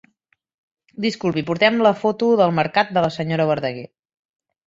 Disculpi, portem la foto del mercat de la senyora Verdaguer.